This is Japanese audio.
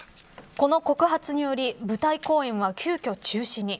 この告発により舞台公演は急きょ中止に。